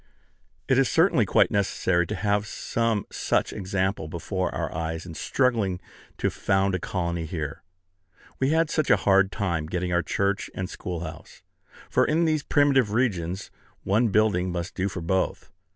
It is certainly quite necessary to have some such example before our eyes in struggling to found a colony here. We had such a hard time getting our church and schoolhouse! for in these primitive regions one building must do for both.